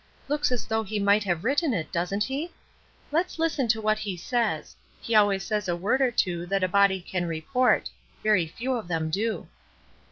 Looks as though he might have written it, doesn't he? Let's listen to what he says. He always says a word or two that a body can report; very few of them do."